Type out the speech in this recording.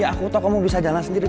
ya aku tau kamu bisa jalan sendiri